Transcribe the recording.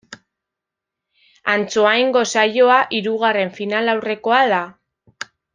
Antsoaingo saioa hirugarren finalaurrekoa da.